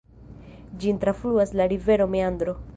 Ĝin trafluas la rivero Meandro.